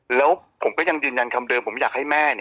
แล้วผมก็ยังยืนยันคำเดิมผมอยากให้แม่